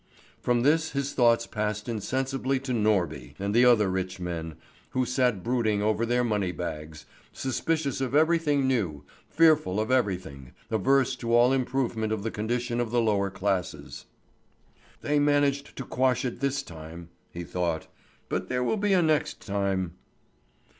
From this his thoughts passed insensibly to Norby and the other rich men, who sat brooding over their money bags, suspicious of everything new, fearful of everything, averse to all improvement of the condition of the lower classes. "They managed to quash it this time," he thought; "but there will be a next time."